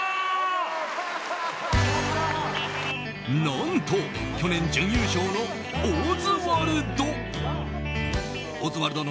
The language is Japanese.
何と、去年準優勝のオズワルド。